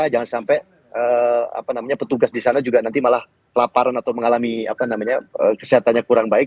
jangan sampai apa namanya petugas di sana juga nanti malah laparan atau mengalami apa namanya kesehatannya kurang baik